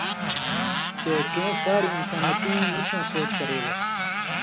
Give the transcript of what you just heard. چے کیں ساریۡ اِنسانیتیں مِٹھیۡاں سُوچ کرے لَس۔